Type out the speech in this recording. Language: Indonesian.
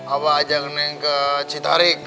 abah ajak neng ke citarik